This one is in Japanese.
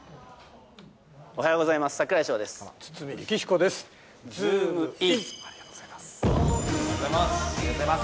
おはようございます。